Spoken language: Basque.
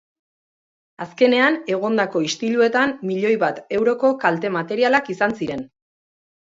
Azkenean egondako istiluetan milioi bat euroko kalte materialak izan ziren.